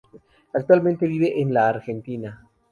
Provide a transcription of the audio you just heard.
Actualmente vive en la Argentina.